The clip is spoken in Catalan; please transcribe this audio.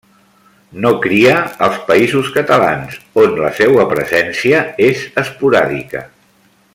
No cria als Països Catalans, on la seua presència és esporàdica.